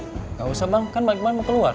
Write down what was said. nggak usah bang kan balik kemana mau keluar